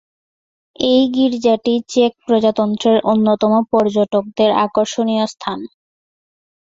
এই গির্জাটি চেক প্রজাতন্ত্রের অন্যতম পর্যটকদের আকর্ষণীয় স্থান।